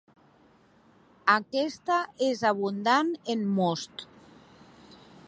Aquesta és abundant en most.